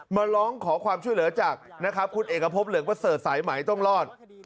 มาร้องขอความช่วยเหลือจากนะครับคุณเอกพบเหลืองประเสริฐสายไหมต้องรอด